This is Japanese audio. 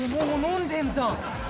もう飲んでんじゃん！